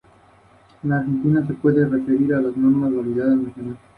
Al momento de retirarse, Stevens era el miembro de mayor veteranía en el Tribunal.